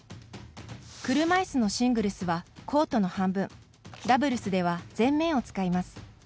車いすのシングルスはコートの半分ダブルスでは全面を使います。